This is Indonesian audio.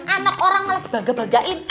anak orang malah dibaga bagain